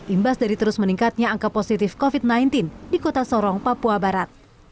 imbas dari terus meningkatnya angka positif covid sembilan belas di kota sorong papua barat